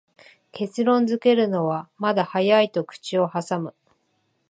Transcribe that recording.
結論づけるのはまだ早いと口をはさむ